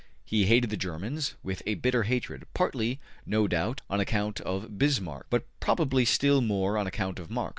He hated the Germans with a bitter hatred, partly, no doubt, on account of Bismarck, but probably still more on account of Marx.